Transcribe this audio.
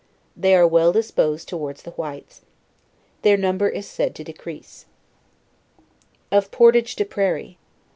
They are well disposed towards the white*. Their number is sc.id to decrease. OF PORTAGE I)E PRAIRIE.